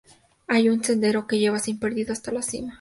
Hay un sendero que lleva, sin perdida, hasta la cima.